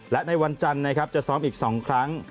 และในวันจันทร์จะซ้อมอีกสองครั้ง